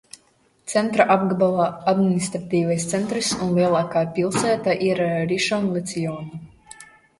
Centra apgabala administratīvais centrs un lielākā pilsēta ir Rišonlecijona.